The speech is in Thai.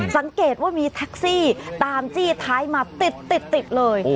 สังเกตว่ามีแท็กซี่ตามจี้ท้ายมาติดเลย